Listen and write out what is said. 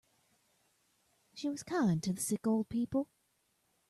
She was kind to sick old people.